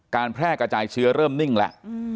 แพร่กระจายเชื้อเริ่มนิ่งแล้ว